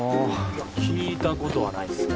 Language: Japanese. いや聞いたことはないですね。